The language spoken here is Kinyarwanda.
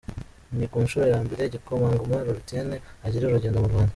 Ni ku nshuro ya mbere igikomangoma Laurentien agirira urugendo mu Rwanda.